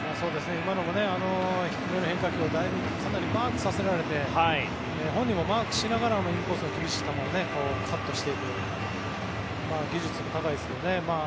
今のも低めの変化球をかなりマークさせられて本人もマークしながらのインコースの厳しい球をカットしていく技術も高いですよね。